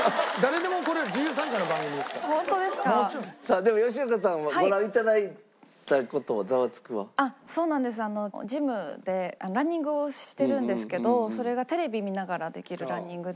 でも吉岡さんはそうなんですあのジムでランニングをしてるんですけどそれがテレビ見ながらできるランニングで。